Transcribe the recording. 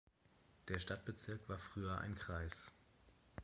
Der Stadtbezirk war früher ein Kreis.